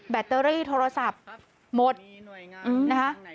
ตเตอรี่โทรศัพท์หมดนะคะ